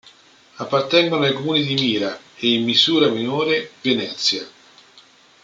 Appartengono ai comuni di Mira e, in misura minore, Venezia.